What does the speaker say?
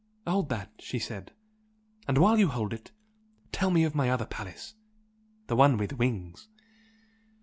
"Hold that!" she said "And while you hold it, tell me of my other palace the one with wings!"